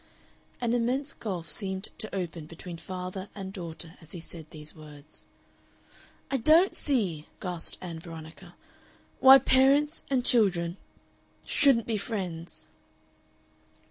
An immense gulf seemed to open between father and daughter as he said these words. "I don't see," gasped Ann Veronica, "why parents and children... shouldn't be friends."